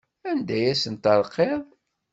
Anda ay asen-terqiḍ?